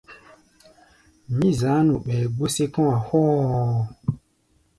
Mí za̧á̧ nu ɓɛɛ gbó sí kɔ̧́-a̧ hoo.